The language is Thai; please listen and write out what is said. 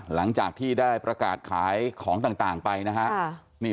หลังจากที่ได้ประกาศขายของต่างไปนะฮะ